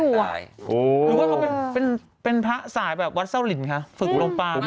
หรือว่าเขาเป็นพระสายแบบวัดเศร้าหลินคะฝึกลงปาม